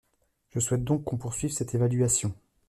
Je souhaite donc qu’on poursuive cette évaluation.